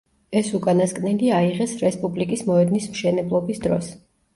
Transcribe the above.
ეს უკანასკნელი აიღეს რესპუბლიკის მოედნის მშენებლობის დროს.